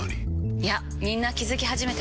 いやみんな気付き始めてます。